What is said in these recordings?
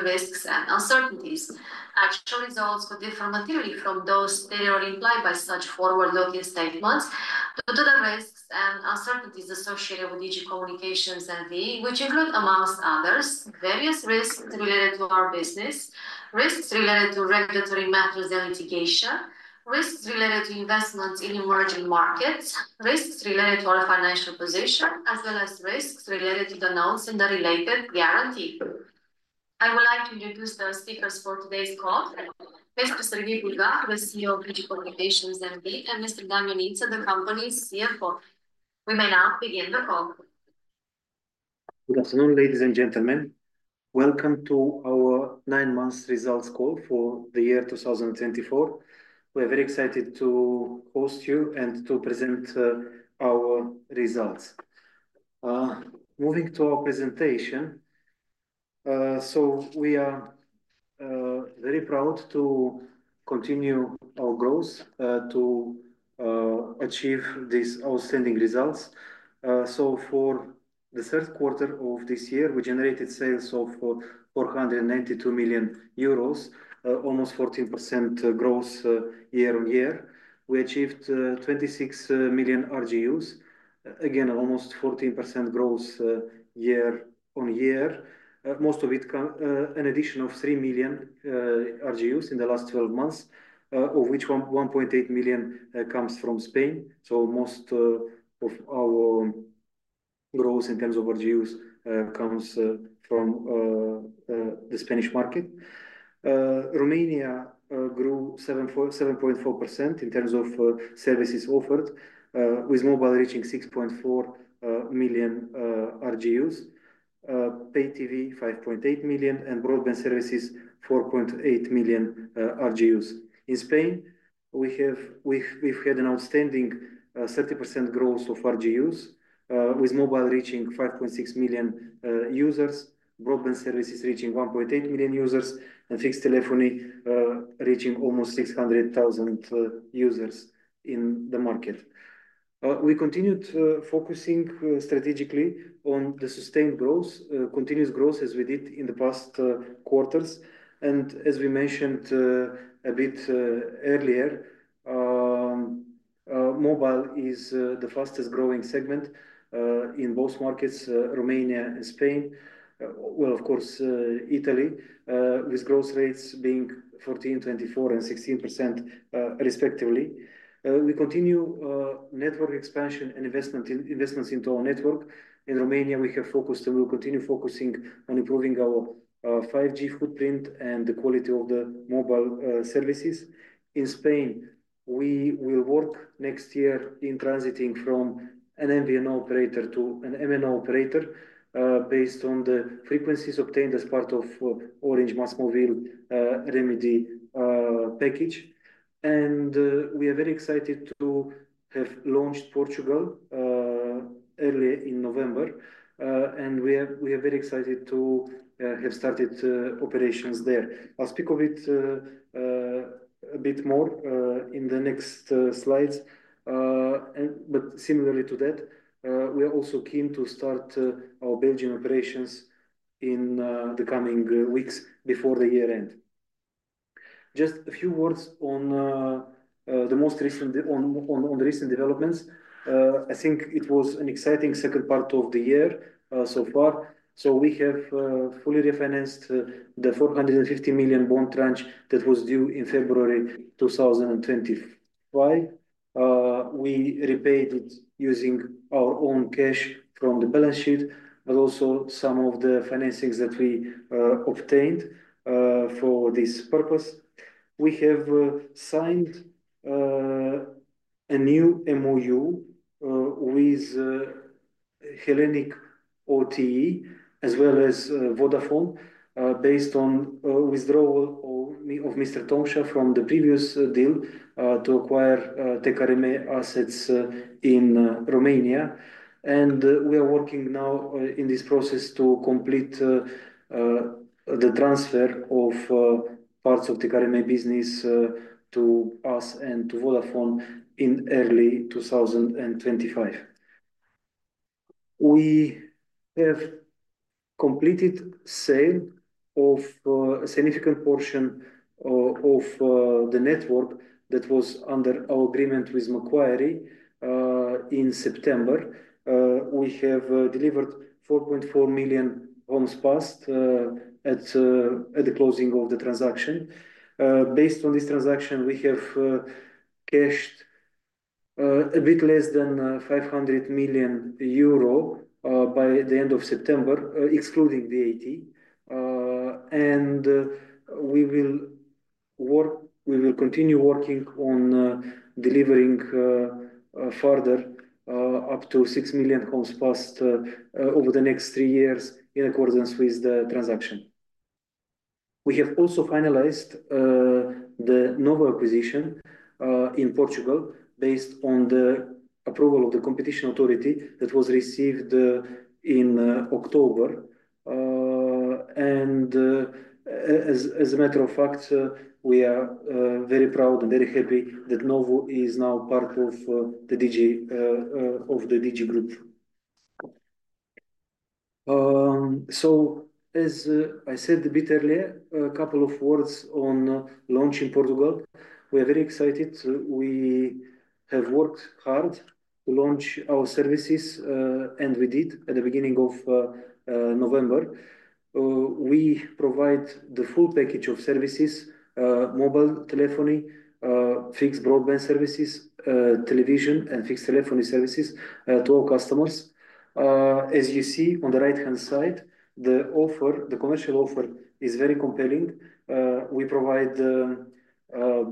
The risks and uncertainties, actual results could differ from those that are implied by such forward-looking statements. Refer to the risks and uncertainties associated with Digi Communications NV, which include, among others, various risks related to our business, risks related to regulatory matters and litigation, risks related to investments in emerging markets, risks related to our financial position, as well as risks related to the notes and the related guarantee. I would like to introduce the speakers for today's call: Mr. Serghei Bulgac, the CEO of Digi Communications NV, and Mr. Dan Ionita, the company's CFO. We may now begin the call. Good afternoon, ladies and gentlemen. Welcome to our nine-month results call for the year 2024. We are very excited to host you and to present our results. Moving to our presentation, so we are very proud to continue our growth, to achieve these outstanding results. So for the third quarter of this year, we generated sales of 492 million euros, almost 14% growth year-on-year. We achieved 26 million RGUs, again, almost 14% growth year-on-year, most of it an addition of three million RGUs in the last 12 months, of which 1.8 million comes from Spain. So most of our growth in terms of RGUs comes from the Spanish market. Romania grew 7.4% in terms of services offered, with mobile reaching 6.4 million RGUs, pay TV 5.8 million, and broadband services 4.8 million RGUs. In Spain, we've had an outstanding 30% growth of RGUs, with mobile reaching 5.6 million users, broadband services reaching 1.8 million users, and fixed telephony reaching almost 600,000 users in the market. We continued focusing strategically on the sustained growth, continuous growth, as we did in the past quarters. As we mentioned a bit earlier, mobile is the fastest-growing segment in both markets, Romania and Spain. Of course, Italy, with growth rates being 14%, 24%, and 16% respectively. We continue network expansion and investments into our network. In Romania, we have focused and will continue focusing on improving our 5G footprint and the quality of the mobile services. In Spain, we will work next year in transitioning from an MVNO operator to an MNO operator based on the frequencies obtained as part of Orange MásMóvil Remedy package. We are very excited to have launched Portugal earlier in November. We are very excited to have started operations there. I'll speak of it a bit more in the next slides. Similarly to that, we are also keen to start our Belgian operations in the coming weeks before the year-end. Just a few words on the recent developments. I think it was an exciting second part of the year so far. We have fully refinanced the 450 million bond tranche that was due in February 2025. We repaid it using our own cash from the balance sheet, but also some of the financings that we obtained for this purpose. We have signed a new MOU with Hellenic OTE, as well as Vodafone, based on withdrawal of Mr. Tomșa from the previous deal to acquire Telekom Romania assets in Romania. We are working now in this process to complete the transfer of parts of Telekom Romania business to us and to Vodafone in early 2025. We have completed sale of a significant portion of the network that was under our agreement with Macquarie in September. We have delivered 4.4 million homes passed at the closing of the transaction. Based on this transaction, we have cashed a bit less than 500 million euro by the end of September, excluding VAT. We will continue working on delivering further up to 6 million homes passed over the next three years in accordance with the transaction. We have also finalized the Nowo acquisition in Portugal based on the approval of the competition authority that was received in October. As a matter of fact, we are very proud and very happy that Nowo is now part of the Digi Group. So as I said a bit earlier, a couple of words on launch in Portugal. We are very excited. We have worked hard to launch our services, and we did at the beginning of November. We provide the full package of services, mobile telephony, fixed broadband services, television, and fixed telephony services to our customers. As you see on the right-hand side, the offer, the commercial offer is very compelling. We provide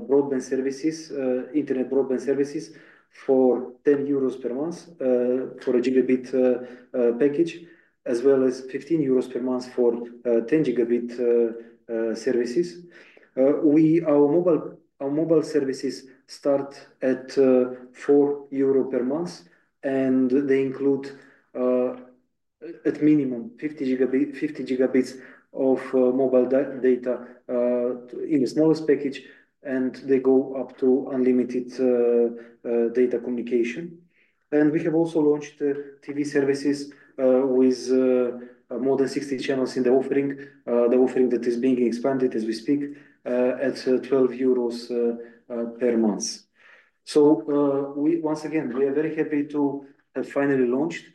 broadband services, internet broadband services for 10 euros per month for a gigabit package, as well as 15 euros per month for 10 Gb services. Our mobile services start at 4 euro per month, and they include at minimum 50 GB of mobile data in the smallest package, and they go up to unlimited data communication. We have also launched TV services with more than 60 channels in the offering, the offering that is being expanded as we speak at 12 euros per month. So once again, we are very happy to have finally launched.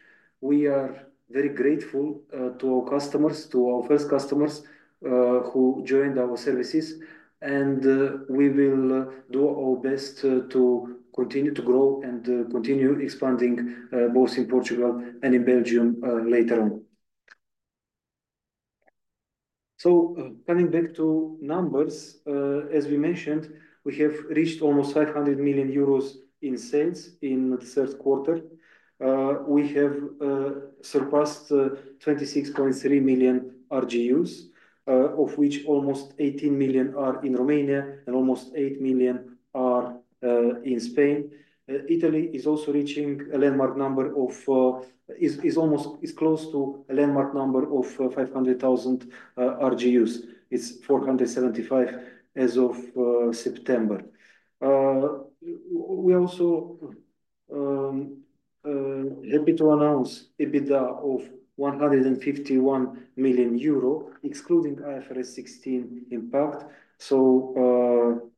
We are very grateful to our customers, to our first customers who joined our services. And we will do our best to continue to grow and continue expanding both in Portugal and in Belgium later on. So coming back to numbers, as we mentioned, we have reached almost 500 million euros in sales in the third quarter. We have surpassed 26.3 million RGUs, of which almost 18 million are in Romania and almost 8 million are in Spain. Italy is also reaching a landmark number. It is almost close to a landmark number of 500,000 RGUs. It's 475,000 as of September. We are also happy to announce EBITDA of 151 million euro, excluding IFRS 16 impact. So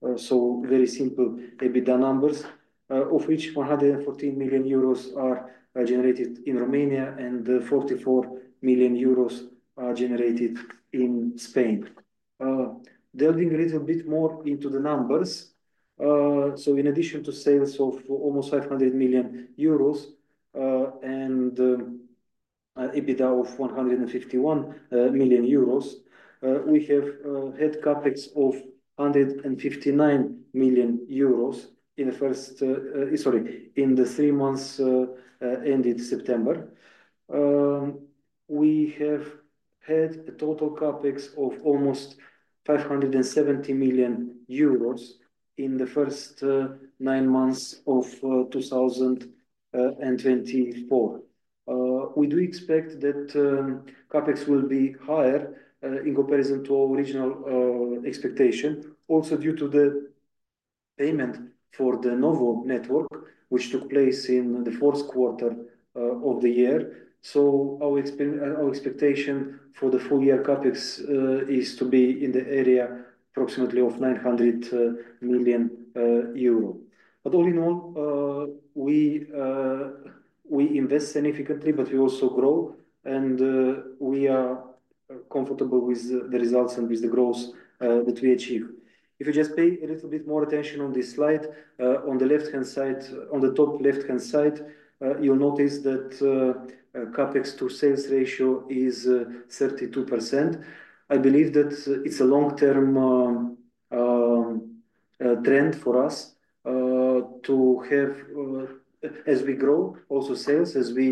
very simple EBITDA numbers, of which 114 million euros are generated in Romania and 44 million euros generated in Spain. Delving a little bit more into the numbers, so in addition to sales of almost 500 million euros and EBITDA of 151 million euros, we have had CapEx of 159 million euros in the first, sorry, in the three months ended September. We have had a total CapEx of almost 570 million euros in the first nine months of 2024. We do expect that CapEx will be higher in comparison to our original expectation, also due to the payment for the Nowo network, which took place in the fourth quarter of the year. So our expectation for the full year CapEx is to be in the area approximately of 900 million euro. But all in all, we invest significantly, but we also grow, and we are comfortable with the results and with the growth that we achieve. If you just pay a little bit more attention on this slide, on the left-hand side, on the top left-hand side, you'll notice that CapEx to sales ratio is 32%. I believe that it's a long-term trend for us to have, as we grow, also sales, as we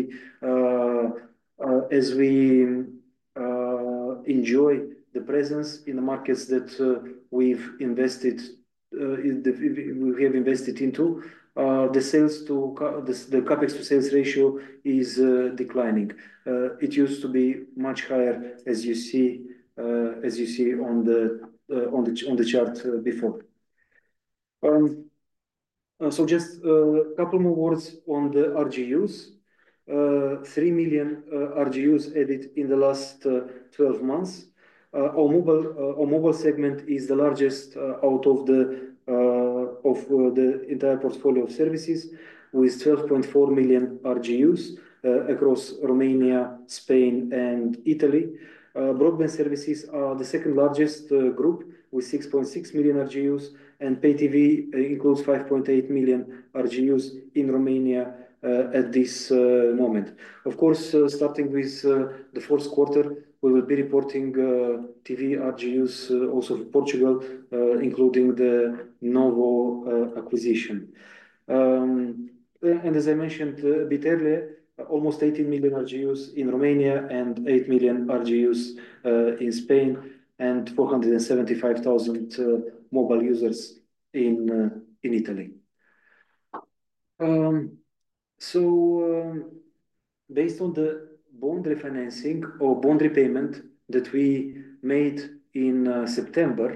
enjoy the presence in the markets that we've invested in, we have invested into. The sales to the CapEx to sales ratio is declining. It used to be much higher, as you see on the chart before. So just a couple more words on the RGUs. 3 million RGUs added in the last 12 months. Our mobile segment is the largest out of the entire portfolio of services, with 12.4 million RGUs across Romania, Spain, and Italy. Broadband services are the second largest group, with 6.6 million RGUs, and pay TV includes 5.8 million RGUs in Romania at this moment. Of course, starting with the fourth quarter, we will be reporting TV RGUs also for Portugal, including the Nowo acquisition. And as I mentioned a bit earlier, almost 18 million RGUs in Romania and 8 million RGUs in Spain, and 475,000 mobile users in Italy. So based on the bond refinancing or bond repayment that we made in September,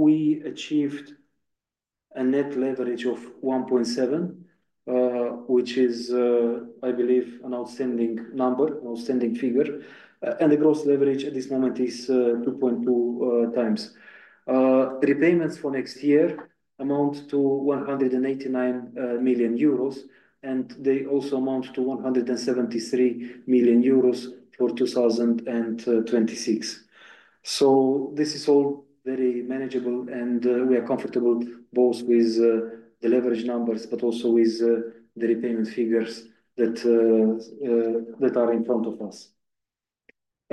we achieved a net leverage of 1.7, which is, I believe, an outstanding number, an outstanding figure. And the gross leverage at this moment is 2.2x. Repayments for next year amount to 189 million euros, and they also amount to 173 million euros for 2026. This is all very manageable, and we are comfortable both with the leverage numbers, but also with the repayment figures that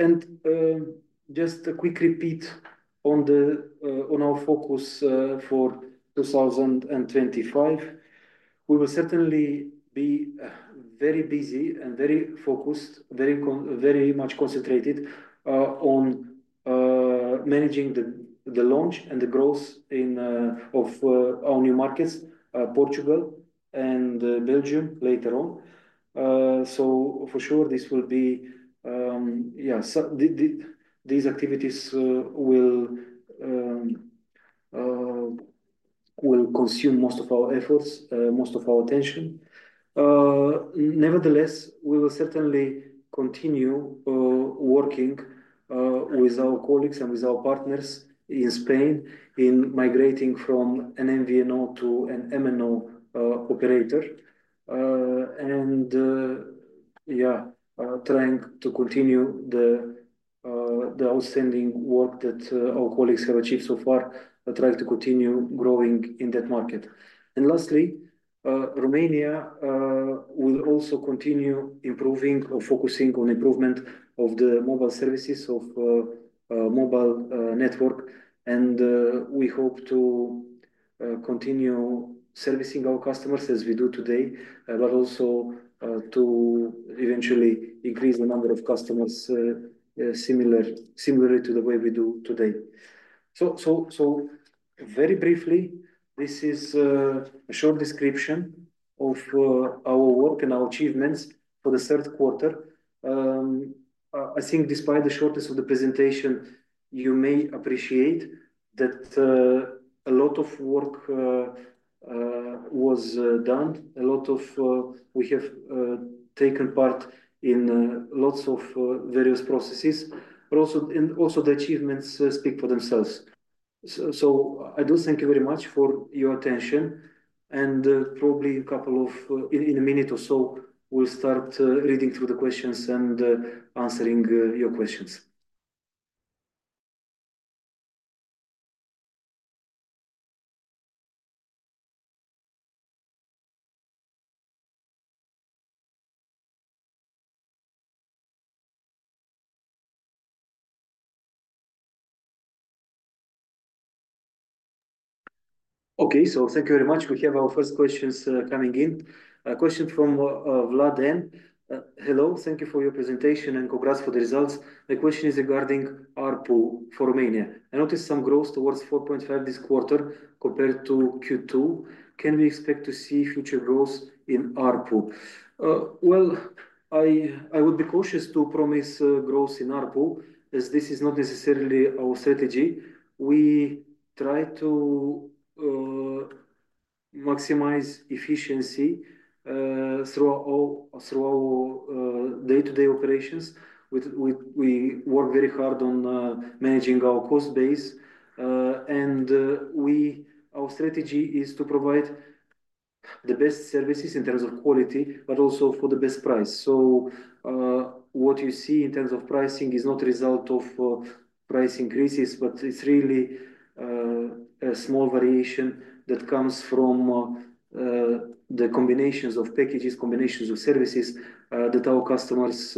are in front of us. Just a quick repeat on our focus for 2025. We will certainly be very busy and very focused, very much concentrated on managing the launch and the growth of our new markets, Portugal and Belgium later on. For sure, this will be. Yeah, these activities will consume most of our efforts, most of our attention. Nevertheless, we will certainly continue working with our colleagues and with our partners in Spain in migrating from an MVNO to an MNO operator. Yeah, trying to continue the outstanding work that our colleagues have achieved so far, trying to continue growing in that market. Lastly, Romania will also continue improving or focusing on improvement of the mobile services of mobile network. We hope to continue servicing our customers as we do today, but also to eventually increase the number of customers similarly to the way we do today. Very briefly, this is a short description of our work and our achievements for the third quarter. I think despite the shortness of the presentation, you may appreciate that a lot of work was done. A lot. We have taken part in lots of various processes. The achievements speak for themselves. I do thank you very much for your attention. Probably in a couple of minutes or so, we'll start reading through the questions and answering your questions. Okay, thank you very much. We have our first questions coming in. A question from Vlad N. Hello, thank you for your presentation and congrats for the results. My question is regarding ARPU for Romania. I noticed some growth towards 4.5 this quarter compared to Q2. Can we expect to see future growth in ARPU? I would be cautious to promise growth in ARPU as this is not necessarily our strategy. We try to maximize efficiency through our day-to-day operations. We work very hard on managing our cost base. And our strategy is to provide the best services in terms of quality, but also for the best price. What you see in terms of pricing is not a result of price increases, but it's really a small variation that comes from the combinations of packages, combinations of services that our customers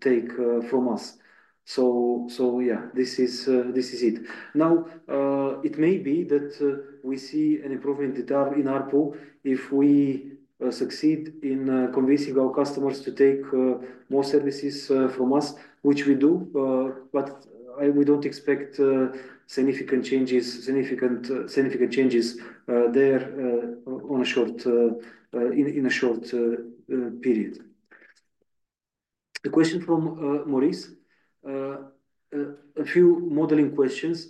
take from us. Yeah, this is it. Now, it may be that we see an improvement in ARPU if we succeed in convincing our customers to take more services from us, which we do, but we don't expect significant changes there in a short period. A question from Maurice. A few modeling questions.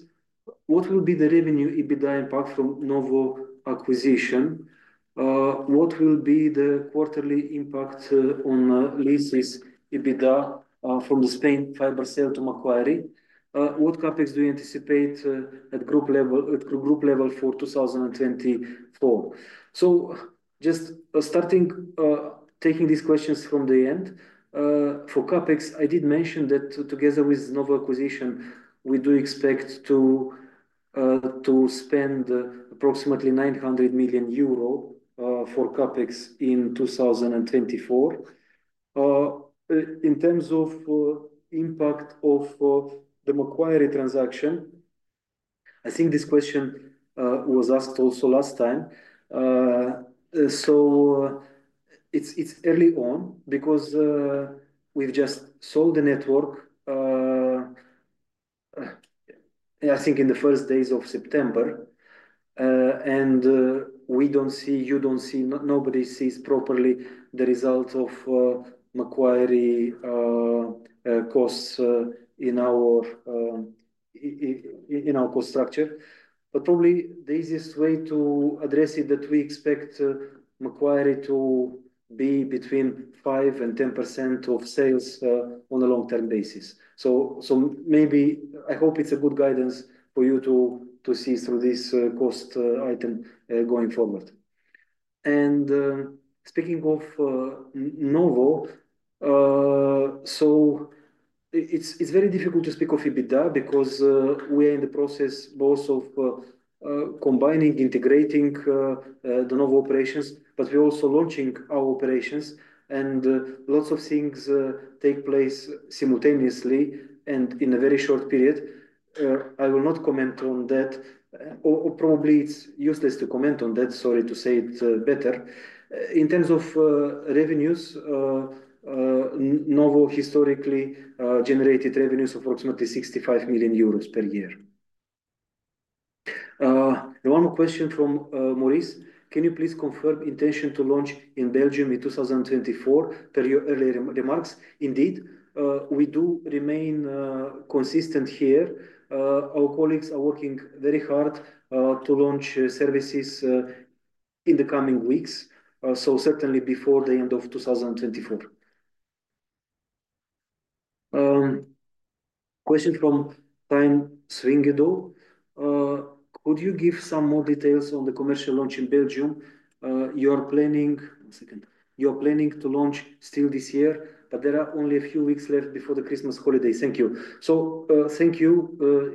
What will be the revenue EBITDA impact from Nowo acquisition? What will be the quarterly impact on leases EBITDA from the Spain fiber sale to Macquarie? What CapEx do you anticipate at group level for 2024? So just starting taking these questions from the end, for CapEx, I did mention that together with Nowo acquisition, we do expect to spend approximately 900 million euro for CapEx in 2024. In terms of impact of the Macquarie transaction, I think this question was asked also last time. So it's early on because we've just sold the network, I think, in the first days of September. And we don't see, you don't see, nobody sees properly the result of Macquarie costs in our cost structure. But probably the easiest way to address it that we expect Macquarie to be between 5%-10% of sales on a long-term basis. So maybe I hope it's a good guidance for you to see through this cost item going forward. And speaking of Nowo, so it's very difficult to speak of EBITDA because we are in the process both of combining, integrating the Nowo operations, but we're also launching our operations. And lots of things take place simultaneously and in a very short period. I will not comment on that. Probably it's useless to comment on that, sorry to say it better. In terms of revenues, Nowo historically generated revenues of approximately 65 million euros per year. One more question from Maurice. Can you please confirm intention to launch in Belgium in 2024 per your earlier remarks? Indeed, we do remain consistent here. Our colleagues are working very hard to launch services in the coming weeks, so certainly before the end of 2024. Question from Tiemen Swijngedouw. Could you give some more details on the commercial launch in Belgium? You're planning to launch still this year, but there are only a few weeks left before the Christmas holidays. Thank you. So thank you.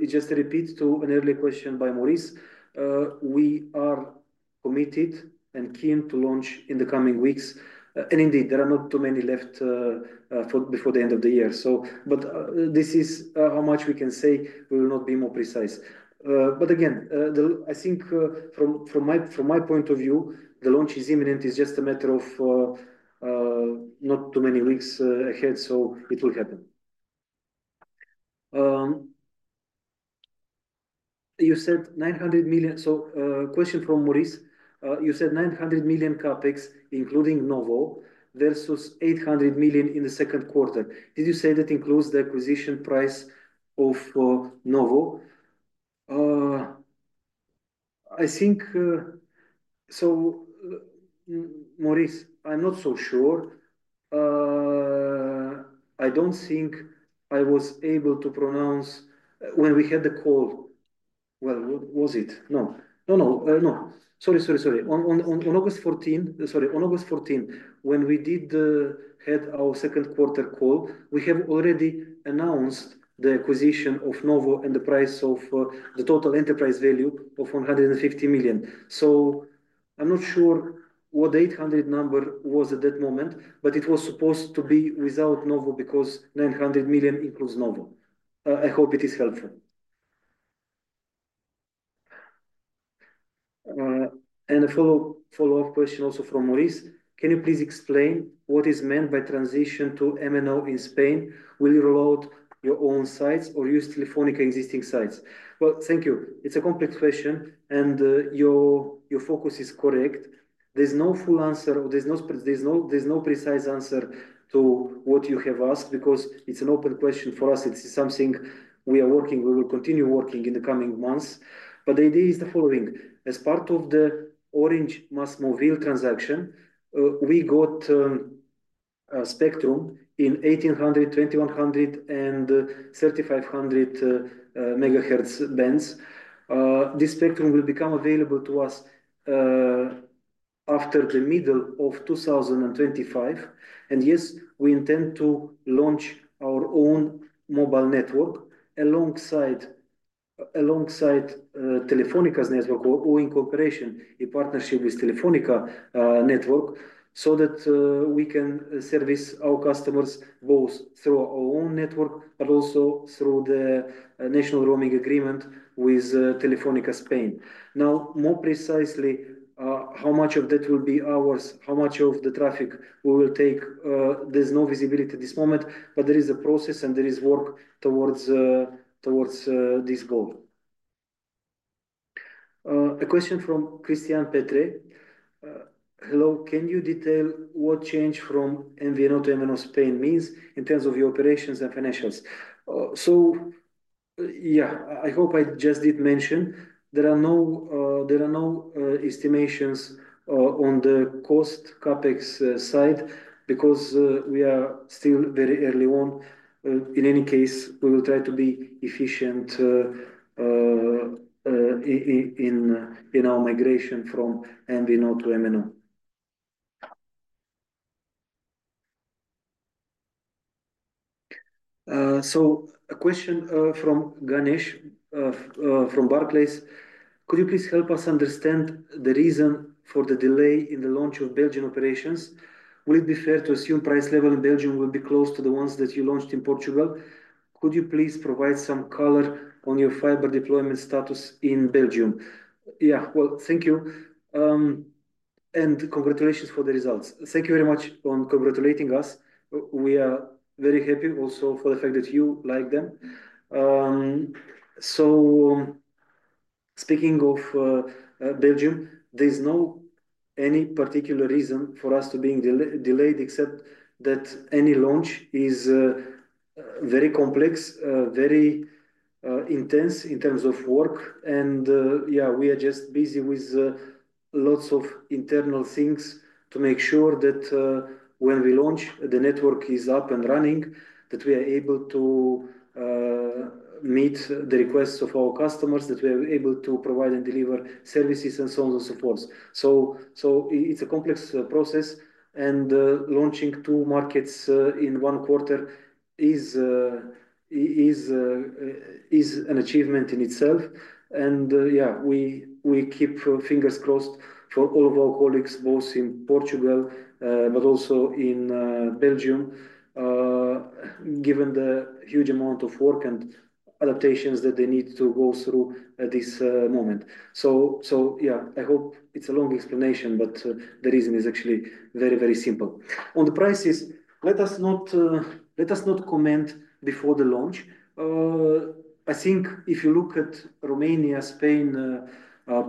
Just a repeat to an earlier question by Maurice. We are committed and keen to launch in the coming weeks, and indeed, there are not too many left before the end of the year, but this is how much we can say. We will not be more precise, but again, I think from my point of view, the launch is imminent. It's just a matter of not too many weeks ahead, so it will happen. You said 900 million. So question from Maurice. You said 900 million CapEx, including Nowo, versus 800 million in the second quarter. Did you say that includes the acquisition price of Nowo? I think, so Maurice, I'm not so sure. I don't think I was able to pronounce when we had the call. Well, what was it? No, no, no, no. Sorry, sorry, sorry. On August 14th, sorry, on August 14, when we did have our second quarter call, we have already announced the acquisition of Nowo and the price of the total enterprise value of 150 million. So I'm not sure what the 800 number was at that moment, but it was supposed to be without Nowo because 900 million includes Nowo. I hope it is helpful. And a follow-up question also from Maurice. Can you please explain what is meant by transition to MNO in Spain? Will you roll out your own sites or use Telefónica's existing sites? Thank you. It's a complex question, and your focus is correct. There's no full answer, or there's no precise answer to what you have asked because it's an open question for us. It's something we are working. We will continue working in the coming months, but the idea is the following. As part of the Orange MásMóvil transaction, we got a spectrum in 1800 MHz, 2100 MHz, and 3500 MHz bands. This spectrum will become available to us after the middle of 2025, and yes, we intend to launch our own mobile network alongside Telefónica's network or in cooperation, in partnership with Telefónica's network, so that we can service our customers both through our own network, but also through the national roaming agreement with Telefónica Spain. Now, more precisely, how much of that will be ours, how much of the traffic we will take, there's no visibility at this moment, but there is a process and there is work towards this goal. A question from Cristian Petre. Hello, can you detail what change from MVNO to MNO Spain means in terms of your operations and financials? So yeah, I hope I just did mention there are no estimations on the cost CapEx side because we are still very early on. In any case, we will try to be efficient in our migration from MVNO to MNO. So a question from Ganesh from Barclays. Could you please help us understand the reason for the delay in the launch of Belgian operations? Will it be fair to assume price level in Belgium will be close to the ones that you launched in Portugal? Could you please provide some color on your fiber deployment status in Belgium? Yeah, well, thank you. And congratulations for the results. Thank you very much for congratulating us. We are very happy also for the fact that you like them. So speaking of Belgium, there's no any particular reason for us to be delayed except that any launch is very complex, very intense in terms of work. And yeah, we are just busy with lots of internal things to make sure that when we launch, the network is up and running, that we are able to meet the requests of our customers, that we are able to provide and deliver services and so on and so forth. So it's a complex process, and launching two markets in one quarter is an achievement in itself. Yeah, we keep fingers crossed for all of our colleagues, both in Portugal, but also in Belgium, given the huge amount of work and adaptations that they need to go through at this moment. Yeah, I hope it's a long explanation, but the reason is actually very, very simple. On the prices, let us not comment before the launch. I think if you look at Romania, Spain,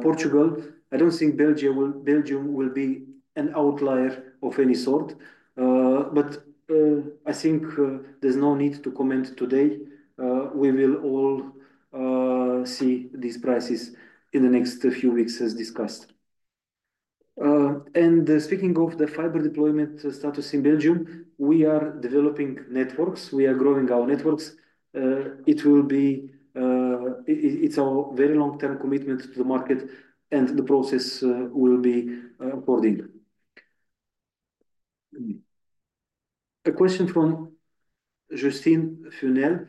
Portugal, I don't think Belgium will be an outlier of any sort. I think there's no need to comment today. We will all see these prices in the next few weeks as discussed. Speaking of the fiber deployment status in Belgium, we are developing networks. We are growing our networks. It's a very long-term commitment to the market, and the process will be according. A question from Justin Funnell.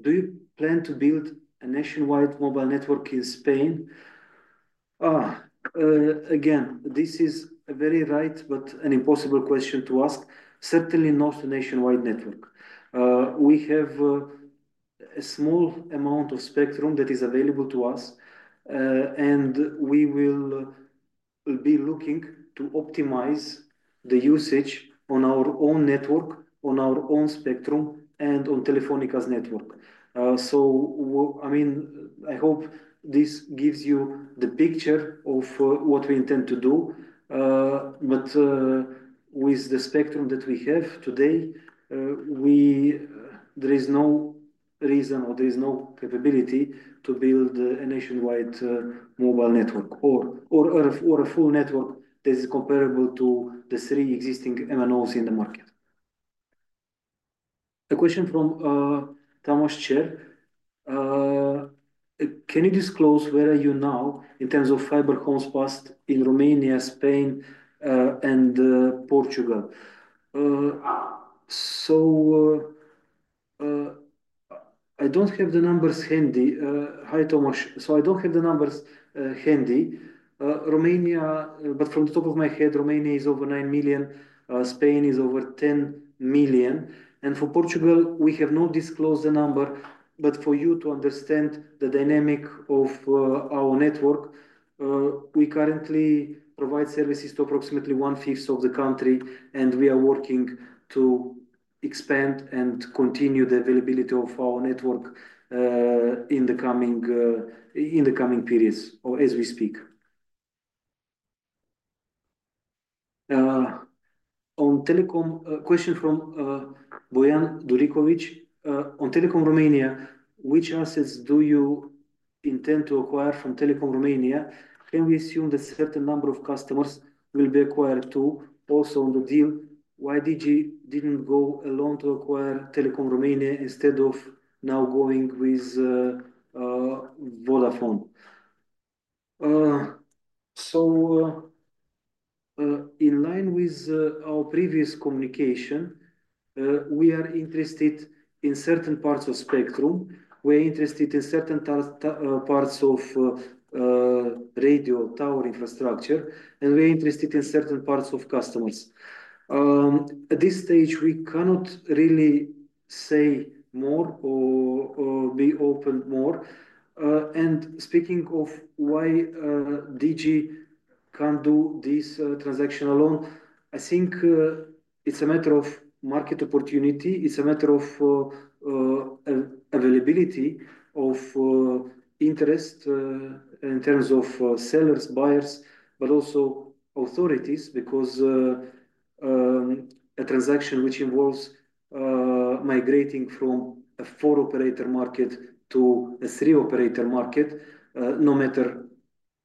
Do you plan to build a nationwide mobile network in Spain? Again, this is a very right, but an impossible question to ask. Certainly not a nationwide network. We have a small amount of spectrum that is available to us, and we will be looking to optimize the usage on our own network, on our own spectrum, and on Telefónica's network. So I mean, I hope this gives you the picture of what we intend to do. But with the spectrum that we have today, there is no reason or there is no capability to build a nationwide mobile network or a full network that is comparable to the three existing MNOs in the market. A question from Thomas Coudry. Can you disclose where are you now in terms of fiber homes passed in Romania, Spain, and Portugal? So I don't have the numbers handy. Hi, Thomas. I don't have the numbers handy. Romania, but from the top of my head, Romania is over nine million. Spain is over 10 million. And for Portugal, we have not disclosed the number. But for you to understand the dynamic of our network, we currently provide services to approximately one-fifth of the country, and we are working to expand and continue the availability of our network in the coming periods or as we speak. On Telekom, a question from Bojan Vrucinic. On Telekom Romania, which assets do you intend to acquire from Telekom Romania? Can we assume that a certain number of customers will be acquired too? Also on the deal, why did you didn't go along to acquire Telekom Romania instead of now going with Vodafone? In line with our previous communication, we are interested in certain parts of spectrum. We are interested in certain parts of radio tower infrastructure, and we are interested in certain parts of customers. At this stage, we cannot really say more or be open more, and speaking of why Digi can do this transaction alone, I think it's a matter of market opportunity. It's a matter of availability of interest in terms of sellers, buyers, but also authorities because a transaction which involves migrating from a four-operator market to a three-operator market, no matter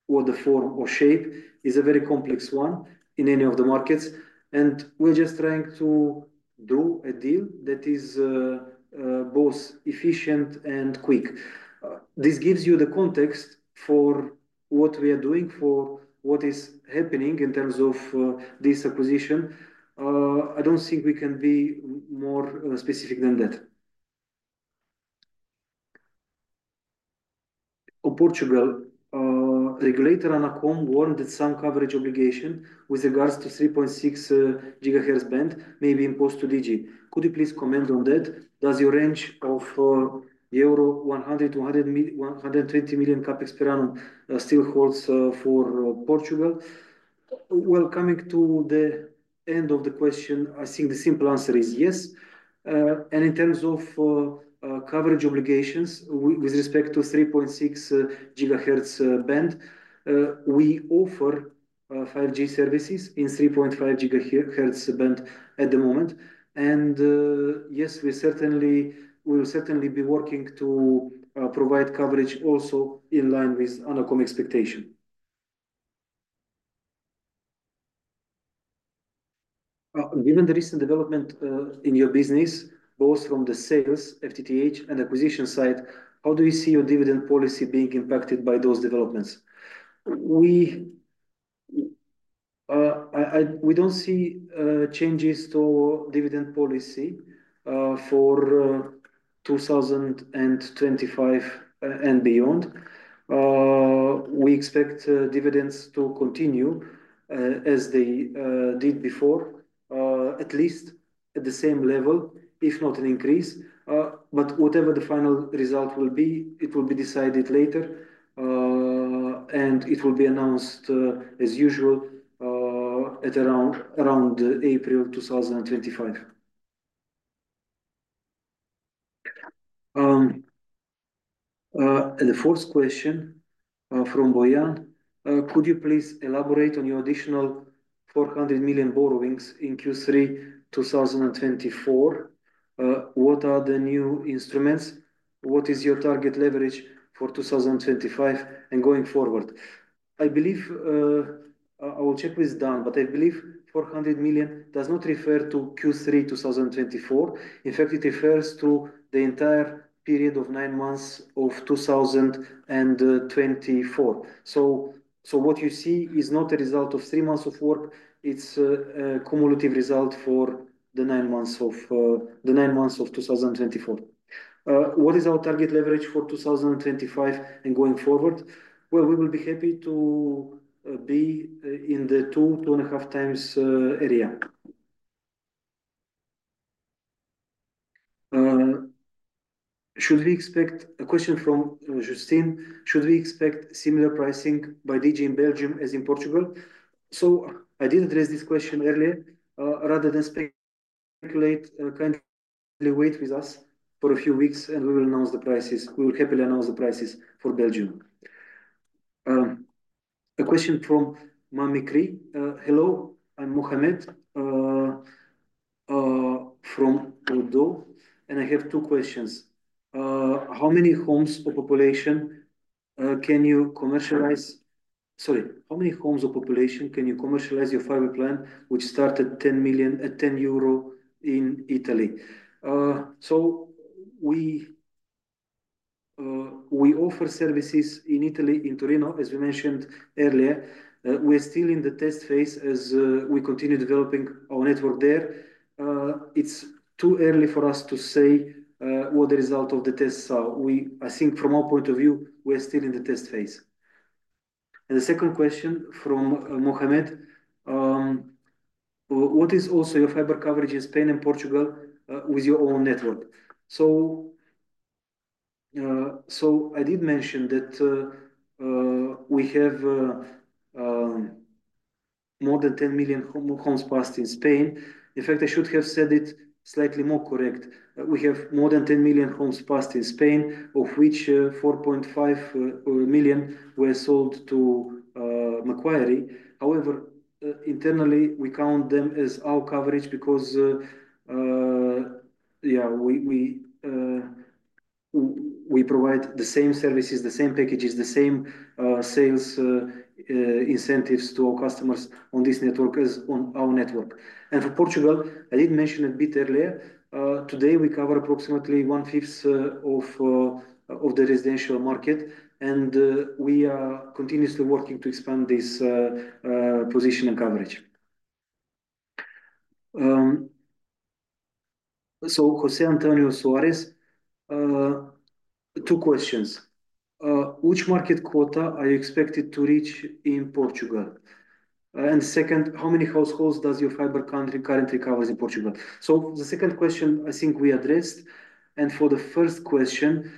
what the form or shape, is a very complex one in any of the markets, and we're just trying to do a deal that is both efficient and quick. This gives you the context for what we are doing, for what is happening in terms of this acquisition. I don't think we can be more specific than that. On Portugal, regulator ANACOM warned that some coverage obligation with regards to 3.6 GHz band may be imposed to Digi. Could you please comment on that? Does your range of 100-120 million CapEx per annum still hold for Portugal? Well, coming to the end of the question, I think the simple answer is yes. And in terms of coverage obligations with respect to 3.6 GHz band, we offer 5G services in 3.5 GHz band at the moment. And yes, we will certainly be working to provide coverage also in line with ANACOM's expectation. Given the recent development in your business, both from the sales, FTTH, and acquisition side, how do you see your dividend policy being impacted by those developments? We don't see changes to dividend policy for 2025 and beyond. We expect dividends to continue as they did before, at least at the same level, if not an increase. But whatever the final result will be, it will be decided later, and it will be announced as usual at around April 2025. The fourth question from Bojan. Could you please elaborate on your additional 400 million borrowings in Q3 2024? What are the new instruments? What is your target leverage for 2025 and going forward? I believe I will check with Dan, but I believe 400 million does not refer to Q3 2024. In fact, it refers to the entire period of nine months of 2024. So what you see is not a result of three months of work. It's a cumulative result for the nine months of 2024. What is our target leverage for 2025 and going forward? We will be happy to be in the 2x, 2.5x area. Should we expect a question from Justin? Should we expect similar pricing by Digi in Belgium as in Portugal? I did address this question earlier. Rather than speculate, kindly wait with us for a few weeks, and we will announce the prices. We will happily announce the prices for Belgium. A question from Mohamed. Hello, I'm Mohamed from Bordeaux, and I have two questions. How many homes or population can you commercialize? Sorry, how many homes or population can you commercialize your fiber plan, which started at 10 million at 10 million euro in Italy? We offer services in Italy, in Torino, as we mentioned earlier. We're still in the test phase as we continue developing our network there. It's too early for us to say what the result of the tests are. I think from our point of view, we're still in the test phase. And the second question from Mohamed. What is also your fiber coverage in Spain and Portugal with your own network? So I did mention that we have more than 10 million homes passed in Spain. In fact, I should have said it slightly more correct. We have more than 10 million homes passed in Spain, of which 4.5 million were sold to Macquarie. However, internally, we count them as our coverage because, yeah, we provide the same services, the same packages, the same sales incentives to our customers on this network as on our network. And for Portugal, I did mention a bit earlier. Today, we cover approximately one-fifth of the residential market, and we are continuously working to expand this position and coverage. So José Antonio Suárez, two questions. Which market quota are you expected to reach in Portugal? And second, how many households does your fiber currently cover in Portugal? So the second question, I think we addressed. And for the first question,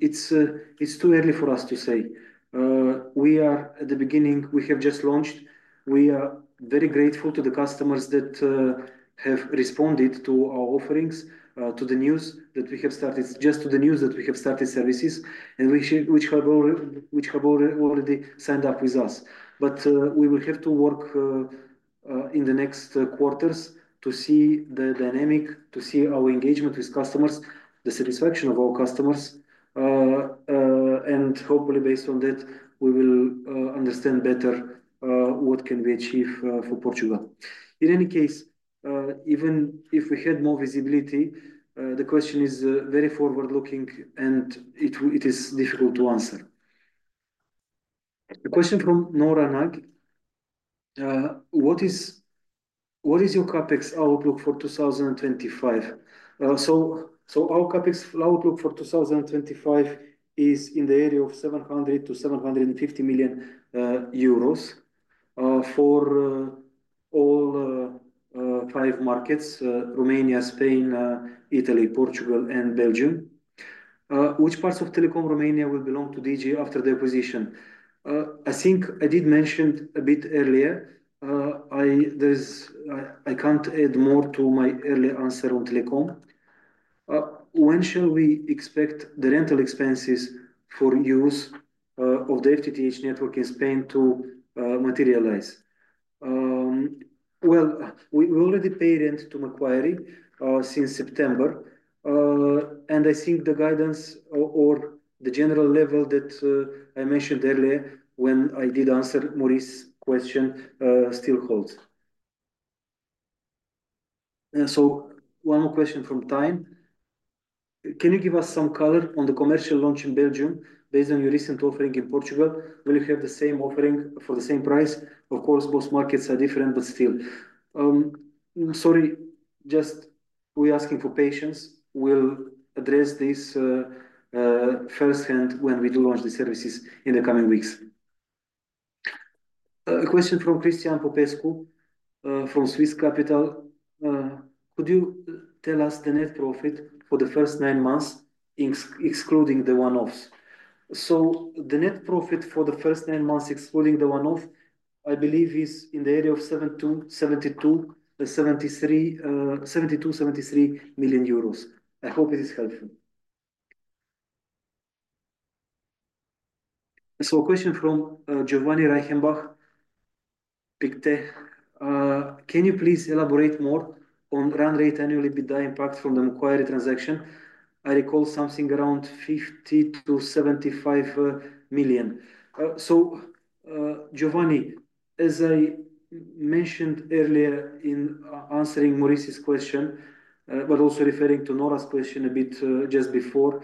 it's too early for us to say. At the beginning, we have just launched. We are very grateful to the customers that have responded to our offerings, to the news that we have started, just to the news that we have started services, and which have already signed up with us. But we will have to work in the next quarters to see the dynamic, to see our engagement with customers, the satisfaction of our customers. And hopefully, based on that, we will understand better what can we achieve for Portugal. In any case, even if we had more visibility, the question is very forward-looking, and it is difficult to answer. A question from Nora Nagy. What is your CapEx outlook for 2025? So our CapEx outlook for 2025 is in the area of 700 million-750 million euros for all five markets: Romania, Spain, Italy, Portugal, and Belgium. Which parts of Telekom Romania will belong to Digi after the acquisition? I think I did mention a bit earlier. I can't add more to my earlier answer on Telekom. When shall we expect the rental expenses for use of the FTTH network in Spain to materialize? Well, we already pay rent to Macquarie since September. And I think the guidance or the general level that I mentioned earlier when I did answer Maurice's question still holds. So one more question from Tim. Can you give us some color on the commercial launch in Belgium based on your recent offering in Portugal? Will you have the same offering for the same price? Of course, both markets are different, but still. Sorry, just we're asking for patience. We'll address this firsthand when we do launch the services in the coming weeks. A question from Cristian Popescu from Swiss Capital. Could you tell us the net profit for the first nine months, excluding the one-offs? So the net profit for the first nine months, excluding the one-off, I believe is in the area of 72 million-73 million euros. I hope it is helpful. So a question from Giovanni Reichenbach. Can you please elaborate more on run rate annually EBITDA impact from the Macquarie transaction? I recall something around 50 million- 75 million. So Giovanni, as I mentioned earlier in answering Maurice's question, but also referring to Nora's question a bit just before,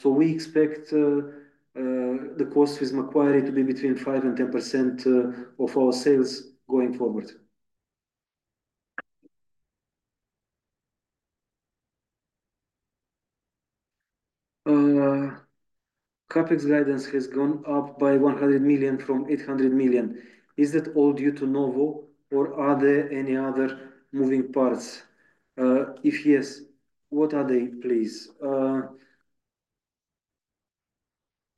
so we expect the cost with Macquarie to be between 5% and 10% of our sales going forward. CapEx guidance has gone up by 100 million from 800 million. Is that all due to Nowo, or are there any other moving parts? If yes, what are they, please?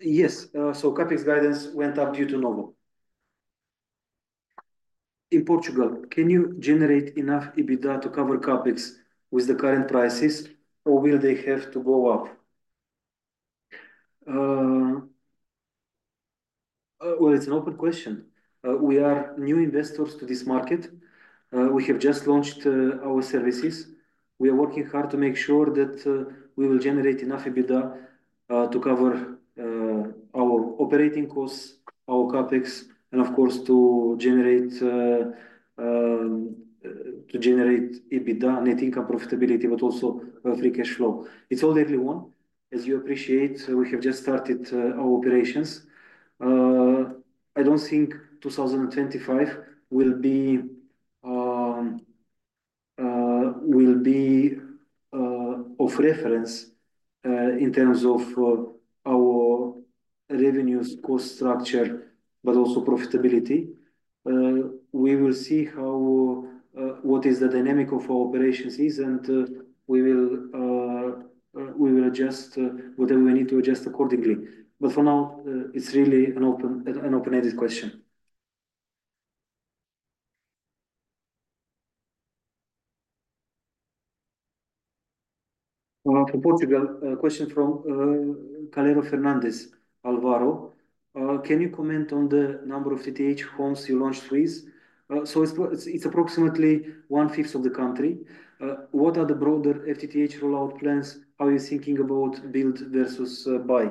Yes. CapEx guidance went up due to Nowo. In Portugal, can you generate enough EBITDA to cover CapEx with the current prices, or will they have to go up? It's an open question. We are new investors to this market. We have just launched our services. We are working hard to make sure that we will generate enough EBITDA to cover our operating costs, our CapEx, and of course, to generate EBITDA, net income profitability, but also free cash flow. It's all early on. As you appreciate, we have just started our operations. I don't think 2025 will be of reference in terms of our revenues, cost structure, but also profitability. We will see what the dynamic of our operations is, and we will adjust whatever we need to adjust accordingly. But for now, it's really an open-ended question. For Portugal, a question from Calero Fernandez Alvaro. Can you comment on the number of FTTH homes you launched with? So it's approximately one-fifth of the country. What are the broader FTTH rollout plans? How are you thinking about build versus buy?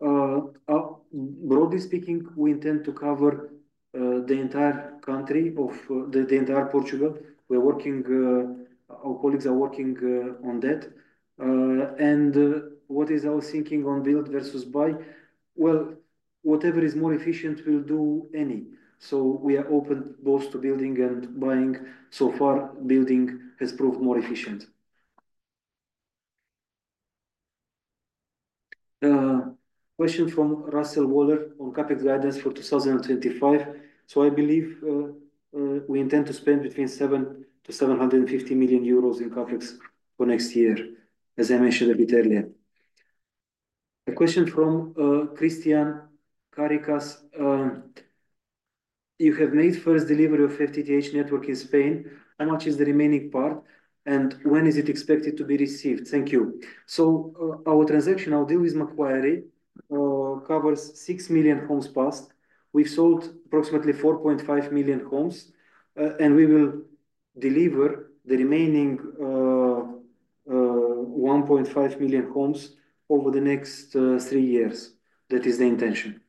Broadly speaking, we intend to cover the entire country of the entire Portugal. Our colleagues are working on that. And what is our thinking on build versus buy? Well, whatever is more efficient will do any. So we are open both to building and buying. So far, building has proved more efficient. Question from Russell Waller on CapEx guidance for 2025. I believe we intend to spend between 700 million-750 million euros in CapEx for next year, as I mentioned a bit earlier. A question from Cristian Caracas. You have made first delivery of FTTH network in Spain. How much is the remaining part, and when is it expected to be received? Thank you. Our transaction, our deal with Macquarie, covers 6 million homes passed. We've sold approximately 4.5 million homes, and we will deliver the remaining 1.5 million homes over the next three years. That is the intention.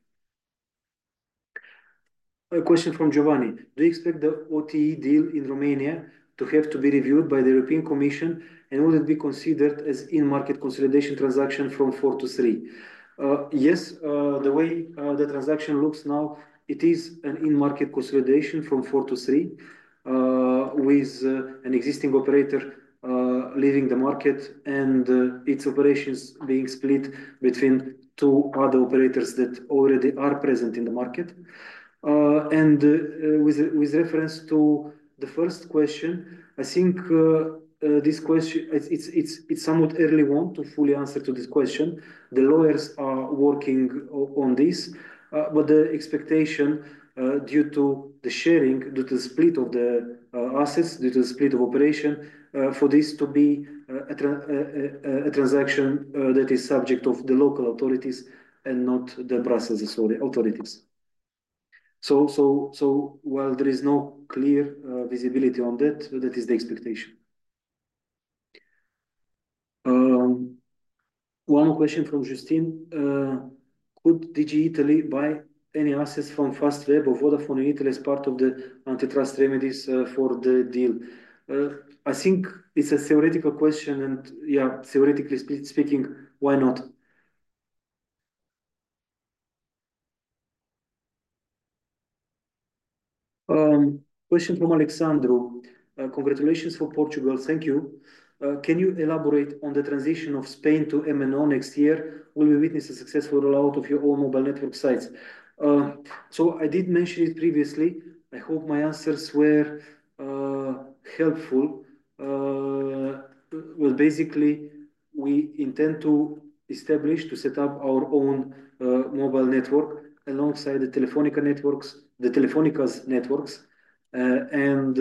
A question from Giovanni. Do you expect the OTE deal in Romania to have to be reviewed by the European Commission, and will it be considered as in-market consolidation transaction from four to three? Yes. The way the transaction looks now, it is an in-market consolidation from four to three with an existing operator leaving the market and its operations being split between two other operators that already are present in the market. With reference to the first question, I think it's somewhat early to fully answer this question. The lawyers are working on this, but the expectation due to the sharing, due to the split of the assets, due to the split of operations, for this to be a transaction that is subject to the local authorities and not the Brussels authorities. While there is no clear visibility on that, that is the expectation. One more question from Justin. Could Digi Italy buy any assets from Fastweb or Vodafone in Italy as part of the antitrust remedies for the deal? I think it's a theoretical question, and yeah, theoretically speaking, why not? Question from Alexandro. Congratulations for Portugal. Thank you. Can you elaborate on the transition of Spain to MNO next year? Will we witness a successful rollout of your own mobile network sites? So I did mention it previously. I hope my answers were helpful. Basically, we intend to establish, to set up our own mobile network alongside the Telefónica networks, the Telefónica's networks. And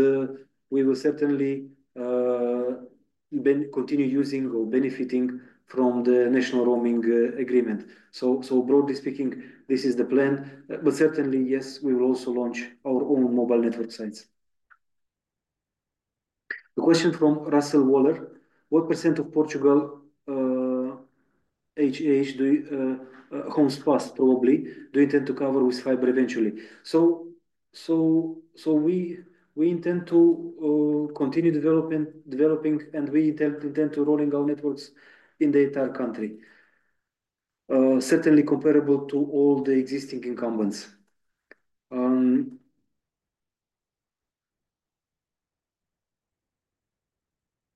we will certainly continue using or benefiting from the national roaming agreement. So broadly speaking, this is the plan. But certainly, yes, we will also launch our own mobile network sites. A question from Russell Waller. What percent of Portugal homes passed probably do you intend to cover with fiber eventually? We intend to continue developing, and we intend to roll out our networks in the entire country, certainly comparable to all the existing incumbents.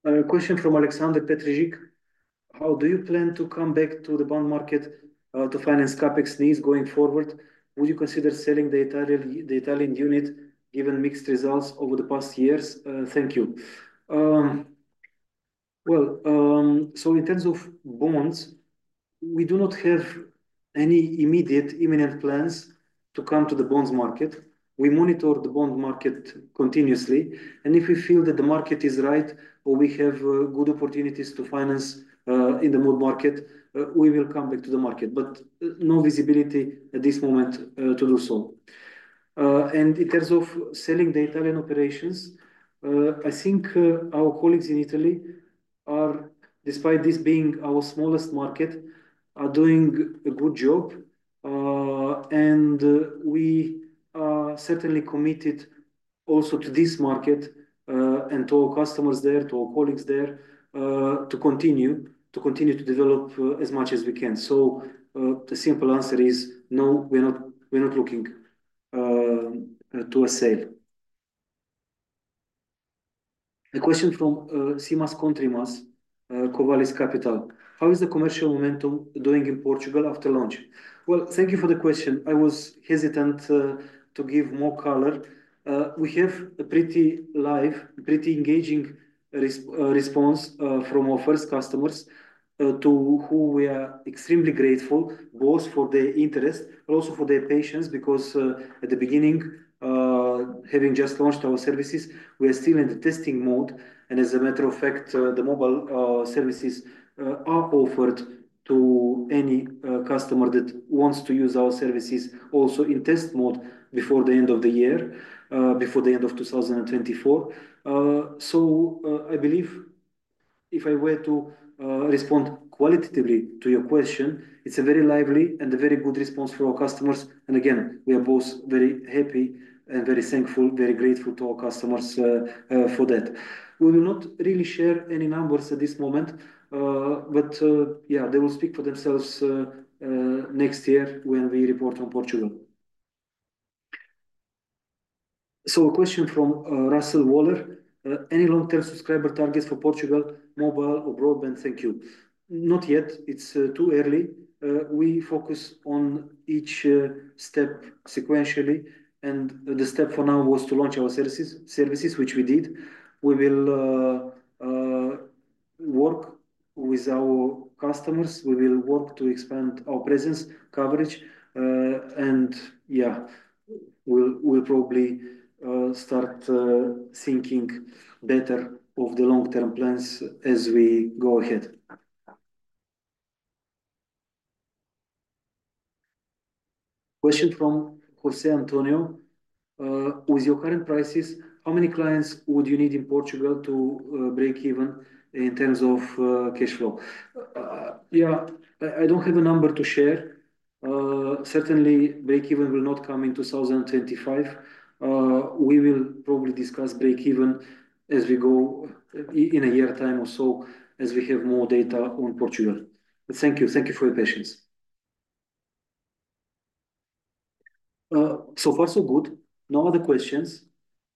A question from Alexander Peterc. How do you plan to come back to the bond market to finance CapEx needs going forward? Would you consider selling the Italian unit given mixed results over the past years? Thank you. In terms of bonds, we do not have any immediate imminent plans to come to the bonds market. We monitor the bond market continuously. If we feel that the market is right or we have good opportunities to finance in the bond market, we will come back to the market. No visibility at this moment to do so. In terms of selling the Italian operations, I think our colleagues in Italy are, despite this being our smallest market, doing a good job. We are certainly committed also to this market and to our customers there, to our colleagues there, to continue to develop as much as we can. The simple answer is no, we're not looking to a sale. A question from Simas Kontrimas, Covalis Capital. How is the commercial momentum doing in Portugal after launch? Thank you for the question. I was hesitant to give more color. We have a pretty live, pretty engaging response from our first customers to whom we are extremely grateful, both for their interest, but also for their patience because at the beginning, having just launched our services, we are still in the testing mode. As a matter of fact, the mobile services are offered to any customer that wants to use our services also in test mode before the end of the year, before the end of 2024. I believe if I were to respond qualitatively to your question, it's a very lively and a very good response for our customers. And again, we are both very happy and very thankful, very grateful to our customers for that. We will not really share any numbers at this moment, but yeah, they will speak for themselves next year when we report on Portugal. So a question from Russell Waller. Any long-term subscriber targets for Portugal, mobile, or broadband? Thank you. Not yet. It's too early. We focus on each step sequentially. And the step for now was to launch our services, which we did. We will work with our customers. We will work to expand our presence, coverage. And yeah, we'll probably start thinking better of the long-term plans as we go ahead. Question from José Antonio. With your current prices, how many clients would you need in Portugal to break-even in terms of cash flow? Yeah, I don't have a number to share. Certainly, break-even will not come in 2025. We will probably discuss break-even as we go in a year's time or so as we have more data on Portugal. Thank you. Thank you for your patience. So far, so good. No other questions.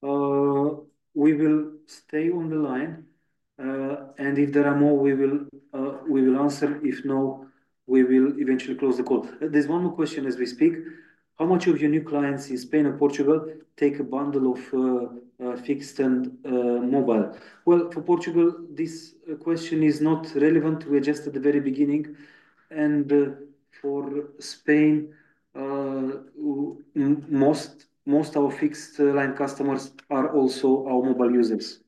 We will stay on the line. And if there are more, we will answer. If no, we will eventually close the call. There's one more question as we speak. How much of your new clients in Spain or Portugal take a bundle of fixed and mobile? Well, for Portugal, this question is not relevant. We adjusted at the very beginning. And for Spain, most of our fixed-line customers are also our mobile users.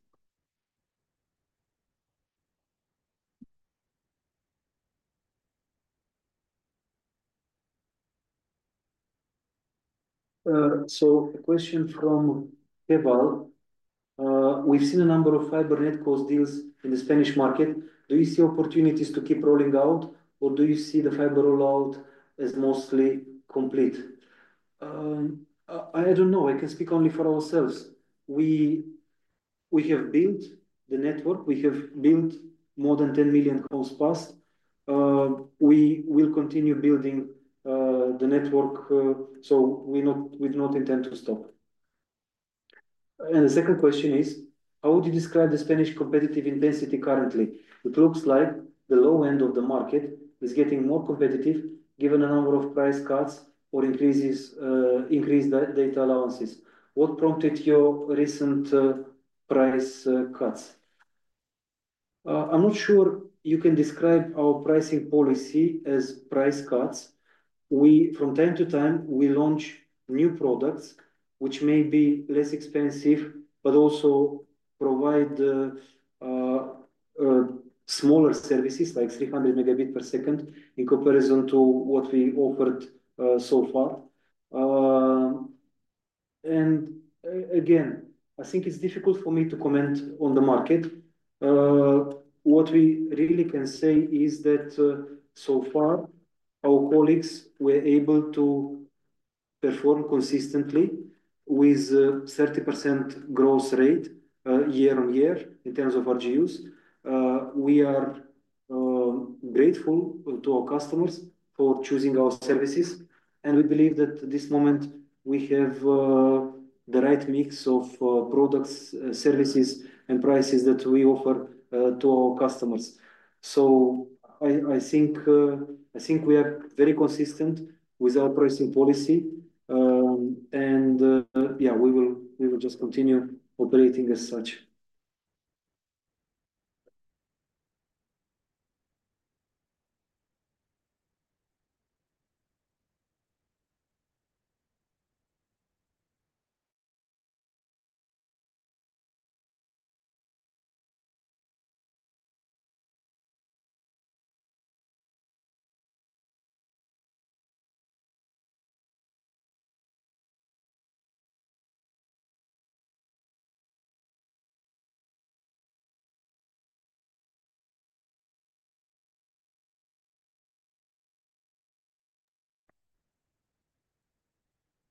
So a question from Keval. We've seen a number of fiber network deals in the Spanish market. Do you see opportunities to keep rolling out, or do you see the fiber rollout as mostly complete? I don't know. I can speak only for ourselves. We have built the network. We have built more than 10 million homes passed. We will continue building the network. So we do not intend to stop. And the second question is, how would you describe the Spanish competitive intensity currently? It looks like the low end of the market is getting more competitive given a number of price cuts or increased data allowances. What prompted your recent price cuts? I'm not sure you can describe our pricing policy as price cuts. From time to time, we launch new products which may be less expensive but also provide smaller services like 300 Mb per second in comparison to what we offered so far. And again, I think it's difficult for me to comment on the market. What we really can say is that so far, our colleagues were able to perform consistently with a 30% growth rate year-on-year in terms of RGUs. We are grateful to our customers for choosing our services. And we believe that at this moment, we have the right mix of products, services, and prices that we offer to our customers. So I think we are very consistent with our pricing policy. And yeah, we will just continue operating as such.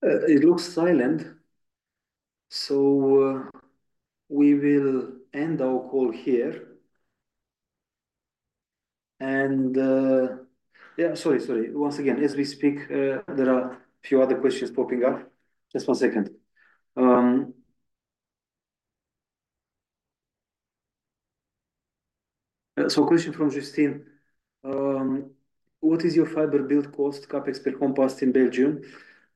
It looks silent. So we will end our call here. And yeah, sorry, sorry. Once again, as we speak, there are a few other questions popping up. Just one second. A question from Justin. What is your fiber build cost, CapEx per home passed in Belgium?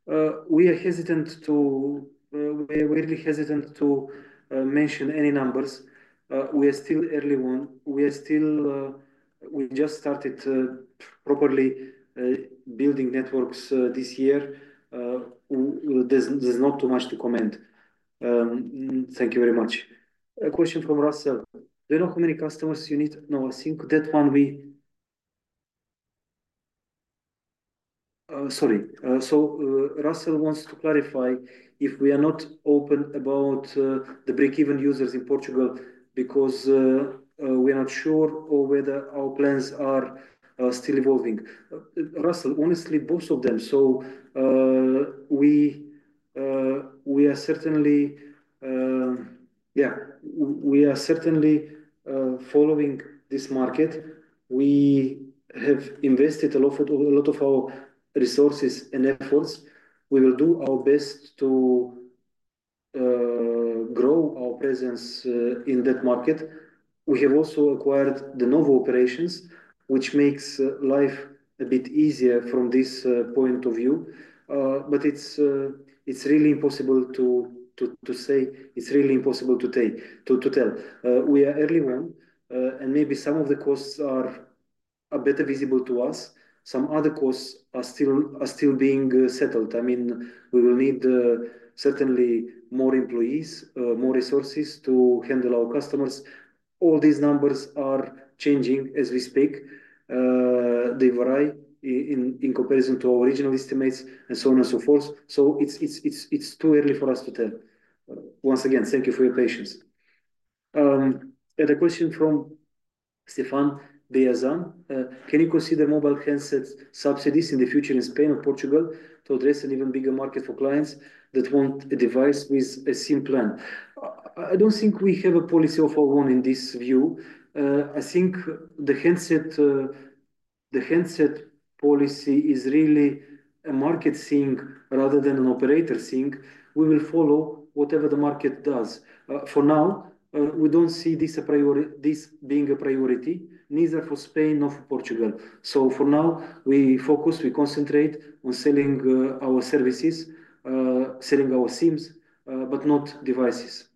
We are hesitant to mention any numbers. We are still early on. We just started properly building networks this year. There's not too much to comment. Thank you very much. A question from Russell. Do you know how many customers you need? No, I think that one, sorry. Russell wants to clarify if we are not open about the break-even users in Portugal because we are not sure whether our plans are still evolving. Russell, honestly, both of them. We are certainly, yeah, we are certainly following this market. We have invested a lot of our resources and efforts. We will do our best to grow our presence in that market. We have also acquired the Nowo operations, which makes life a bit easier from this point of view. But it's really impossible to say. It's really impossible to tell. We are early on, and maybe some of the costs are a bit visible to us. Some other costs are still being settled. I mean, we will need certainly more employees, more resources to handle our customers. All these numbers are changing as we speak. They vary in comparison to our original estimates and so on and so forth. So it's too early for us to tell. Once again, thank you for your patience, and a question from Stephane Beyazian. Can you consider mobile handsets subsidies in the future in Spain or Portugal to address an even bigger market for clients that want a device with a SIM plan? I don't think we have a policy of our own in this view. I think the handset policy is really a market thing rather than an operator thing. We will follow whatever the market does. For now, we don't see this being a priority, neither for Spain nor for Portugal. So for now, we focus, we concentrate on selling our services, selling our SIMs, but not devices.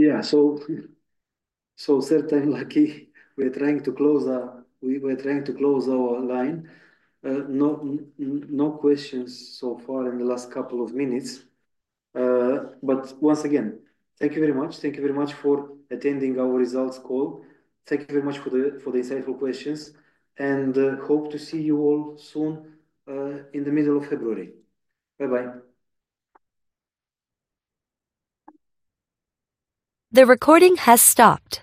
Yeah. So certainly lucky we are trying to close our line. No questions so far in the last couple of minutes. But once again, thank you very much. Thank you very much for attending our results call. Thank you very much for the insightful questions. And hope to see you all soon in the middle of February. Bye-bye. The recording has stopped.